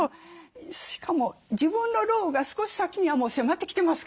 しかも自分の老後が少し先にはもう迫ってきてますからね。